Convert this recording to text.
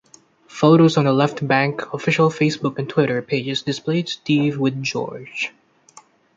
Photos on The Left Banke official Facebook and Twitter pages displayed Steve with George.